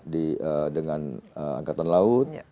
dengan angkatan laut